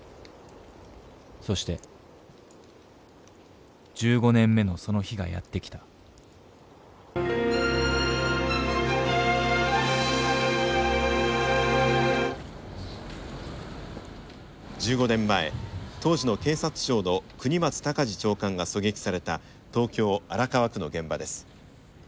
そして１５年目のその日がやって来た「１５年前当時の警察庁の國松孝次長官が狙撃された東京・荒川区の現場です。